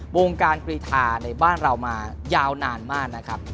วงการกรีธาในบ้านเรามายาวนานมากนะครับ